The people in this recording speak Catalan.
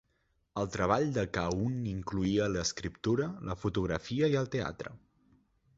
El treball de Cahun incloïa l'escriptura, la fotografia i el teatre.